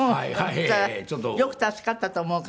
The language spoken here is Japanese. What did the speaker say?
だったらよく助かったと思う感じ？